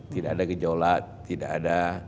tidak ada gejolak tidak ada